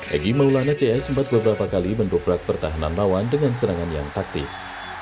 egy maulana cs sempat beberapa kali mendobrak pertahanan lawan dengan serangan yang taktis